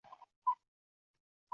Ertagayoq olib borib beraman